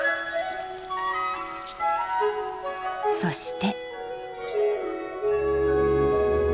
そして。